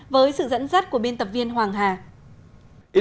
được thực hiện bởi ho chi minh